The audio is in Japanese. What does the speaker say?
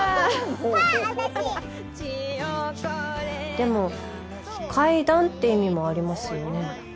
でも「階段」って意味もありますよね。